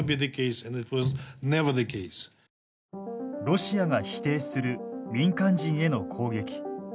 ロシアが否定する民間人への攻撃。